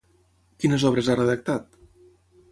Quines obres ha redactat?